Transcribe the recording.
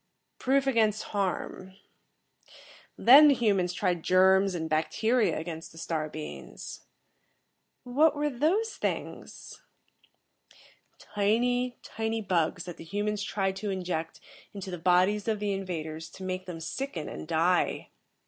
"Proof against harm. Then the humans tried germs and bacteria against the star beings." "What were those things?" "Tiny, tiny bugs that the humans tried to inject into the bodies of the invaders to make them sicken and die.